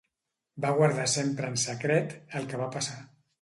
Va guardar sempre en secret el que va passar.